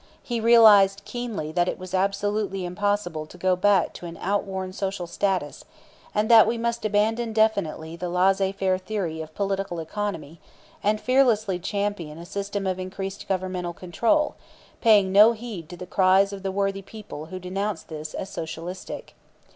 He realized keenly that it was absolutely impossible to go back to an outworn social status, and that we must abandon definitely the laissez faire theory of political economy, and fearlessly champion a system of increased Governmental control, paying no heed to the cries of the worthy people who denounce this as Socialistic.